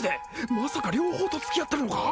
まさか両方と付き合ってるのか！？